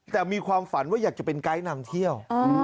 แต่มีความฝันว่าอยากจะเป็นไกด์นำเที่ยว